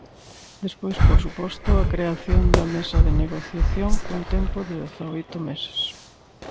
Despois, por suposto, a creación da mesa de negociación cun tempo de dezaoito meses.